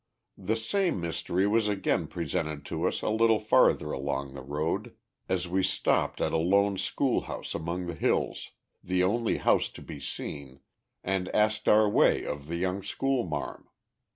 The same mystery was again presented to us a little farther along the road, as we stopped at a lone schoolhouse among the hills, the only house to be seen, and asked our way of the young schoolmarm.